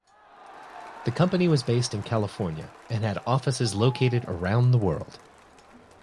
The company was based in California and had offices located around the world.